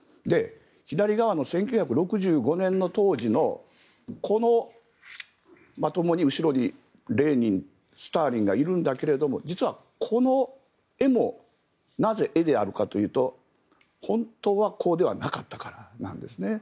左側の１９６５年当時のこのまともに後ろにレーニンスターリンがいるんだけど実はこの絵もなぜ絵であるかというと本当はこうではなかったからなんです。